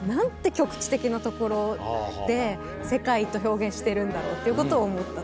局地的な所で世界と表現してるんだろうっていうことを思った。